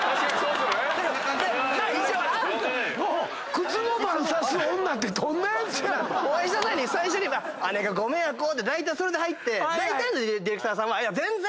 靴の番さす女ってどんなやつや⁉お会いした前最初に姉がご迷惑をって入ってだいたいのディレクターさんは。